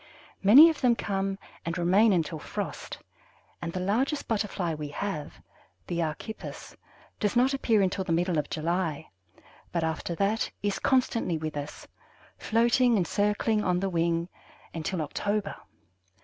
Many of them come and remain until frost, and the largest Butterfly we have, the Archippus, does not appear until the middle of July, but after that is constantly with us, floating and circling on the wing, until October.